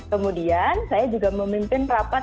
kemudian saya juga memimpin rapat